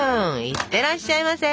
いってらっしゃいませ！